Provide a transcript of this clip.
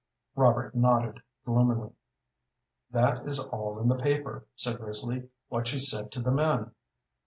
Robert nodded gloomily. "That is all in the paper," said Risley "what she said to the men."